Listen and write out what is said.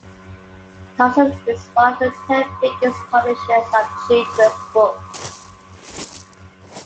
Carlsen is one of the ten biggest publishers of children's books.